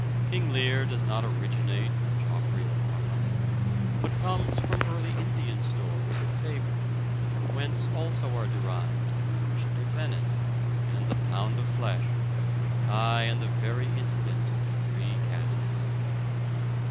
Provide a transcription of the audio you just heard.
King Lear does not originate with Geofry of Monmouth, but comes from early Indian stores of fable, whence also are derived the Merchant of Venice and the pound of flesh, ay, and the very incident of the three caskets.